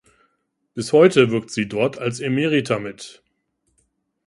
Bis heute wirkt sie dort als Emerita mit.